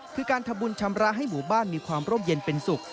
คือการทำบุญชำระให้หมู่บ้านมีความร่มเย็นเป็นสุข